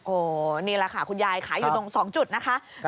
โอ้โหนี่แหละค่ะคุณยายขายอยู่ตรง๒จุดนะคะ